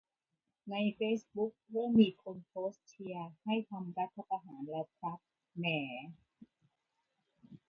ในเฟซบุ๊กเริ่มมีคนโพสต์เชียร์ให้ทำรัฐประหารแล้วครับ แหม่